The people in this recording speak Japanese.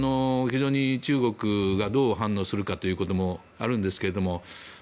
非常に中国がどう反応するかということもあるんですけども